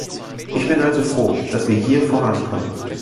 Ich bin also froh, dass wir hier vorankommen.